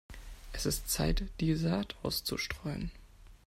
Es ist Zeit, die Saat auszustreuen.